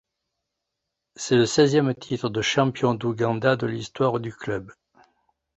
C'est le seizième titre de champion d'Ouganda de l'histoire du club.